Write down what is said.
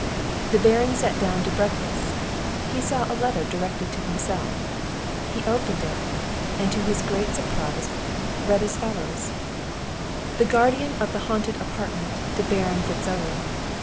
The Baron sat down to breakfast; he saw a letter directed to himself he opened it, and to his great surprise, read as follows: "The guardian of the haunted apartment to Baron Fitz Owen.